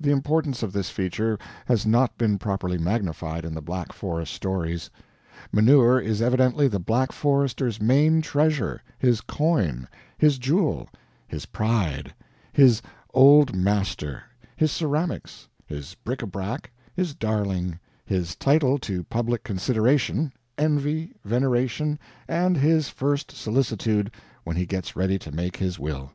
The importance of this feature has not been properly magnified in the Black Forest stories. Manure is evidently the Black Forester's main treasure his coin, his jewel, his pride, his Old Master, his ceramics, his bric a brac, his darling, his title to public consideration, envy, veneration, and his first solicitude when he gets ready to make his will.